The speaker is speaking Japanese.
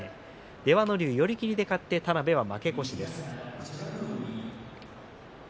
出羽ノ龍は寄り切りで勝って田邉は負け越しです。